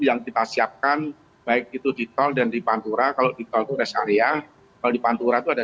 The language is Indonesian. yang kita siapkan baik itu di tol dan di pantura kalau di tol itu rest area kalau di pantura itu ada